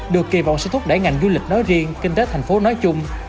được kỳ vọng sẽ thúc đẩy ngành du lịch nói riêng kinh tế thành phố nói chung